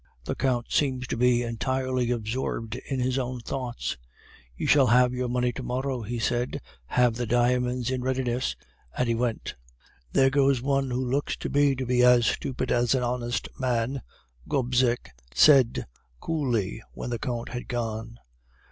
"The Count seemed to be entirely absorbed in his own thoughts. "'You shall have your money to morrow,' he said, 'have the diamonds in readiness,' and he went. "'There goes one who looks to me to be as stupid as an honest man,' Gobseck said coolly when the Count had gone.